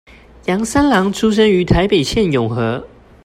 楊三郎出生於台北縣永和